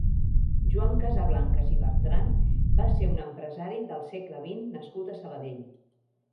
Joan Casablancas i Bertran va ser un empresari del segle vint nascut a Sabadell.